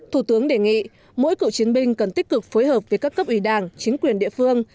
thủ tướng đề nghị mỗi cựu chiến binh cần tích cực phối hợp với các cấp ủy đảng chính quyền địa phương